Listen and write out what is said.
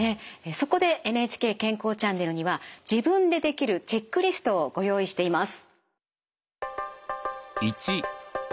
そこで「ＮＨＫ健康チャンネル」には自分でできるチェックリストをご用意しています。